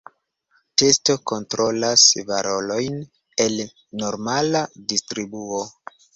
Testo kontrolas valorojn el normala distribuo.